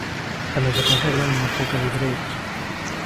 Tamén se conservan unhas poucas vidreiras.